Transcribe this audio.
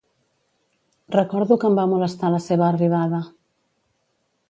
Recordo que em va molestar la seva arribada.